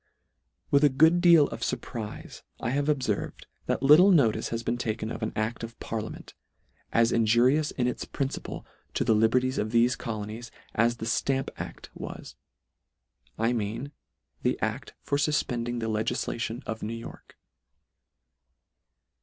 With a good deal of furprife I have ob ferved, that little notice has been taken of an acl: of parliament, as injurious in its principle to the liberties of thefe colonies, as the Stamp act was: I mean the adt for fuf pending the legislation of New York.